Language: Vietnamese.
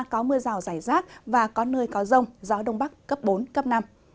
có mưa rào rải rác và có nơi có rông gió đông bắc cấp bốn cấp năm